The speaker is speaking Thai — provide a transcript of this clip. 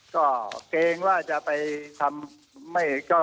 ก็เกรงว่าจะไปทำ